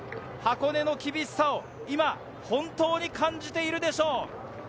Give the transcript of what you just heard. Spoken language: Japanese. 箱根の厳しさを今、本当に感じているでしょう。